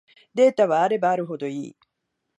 データはあればあるほどいい